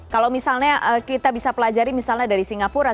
kalau misalnya kita bisa pelajari misalnya dari singapura